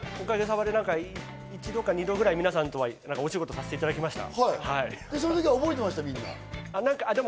おかげさまで一度か二度くらい、皆さんとお仕事をさせていただきました。